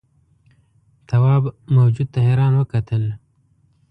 تواب موجود ته حیران وکتل.